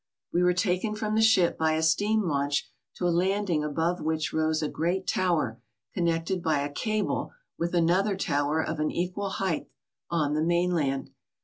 We were taken from the ship by a steam launch to a landing above which rose a great tower connected by a cable with another tower of an equal height on the main land.